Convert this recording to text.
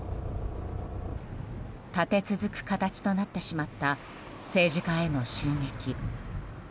立て続く形となってしまった政治家への襲撃。